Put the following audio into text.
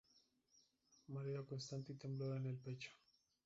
Mareo constante y temblor en el pecho